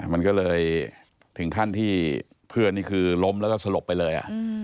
มันก็เลยถึงขั้นที่เพื่อนนี่คือล้มแล้วก็สลบไปเลย